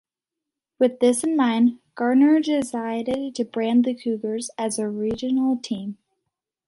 With this in mind, Gardner decided to brand the Cougars as a "regional" team.